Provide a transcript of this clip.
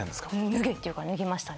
「脱げ」って言うから脱ぎました。